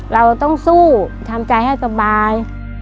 เราต้องสู้ทำใจให้สบาย